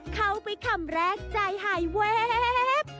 เข้าไปคำแรกใจไฮเวฟ